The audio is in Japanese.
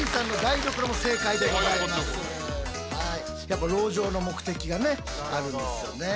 やっぱ籠城の目的がねあるんですよね。